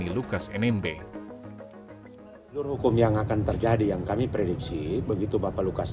kalau sana besok sudah memungkinkan ya besok segera kita laksanakan